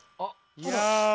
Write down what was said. いや！